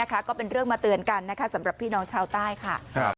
ก็เป็นเรื่องมาเตือนกันนะคะสำหรับพี่น้องชาวใต้ค่ะ